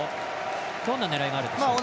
どんな狙いがあるでしょうか。